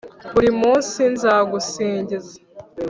buri munsi nzagusingiza